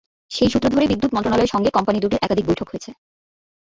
সেই সূত্র ধরে বিদ্যুৎ মন্ত্রণালয়ের সঙ্গে কোম্পানি দুটির একাধিক বৈঠক হয়েছে।